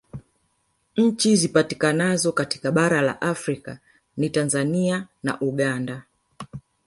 Nchi zipatikanazo katika bara la Afrika ni Tanzania na Uganda